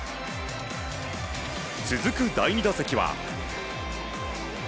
続く第２打席は。